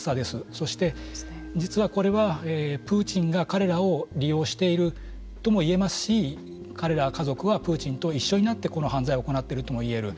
そして、実はこれはプーチンが彼らを利用しているとも言えますし彼ら家族はプーチンと一緒になってこの犯罪を行っているとも言える。